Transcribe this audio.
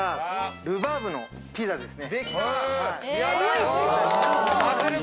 ルバーブのピザですね。